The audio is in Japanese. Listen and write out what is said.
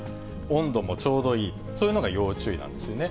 温度もちょうどいい、そういうのが要注意なんですよね。